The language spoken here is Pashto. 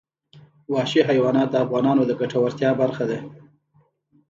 وحشي حیوانات د افغانانو د ګټورتیا برخه ده.